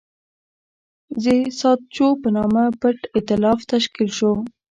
د ساتچو په نامه پټ اېتلاف تشکیل شو.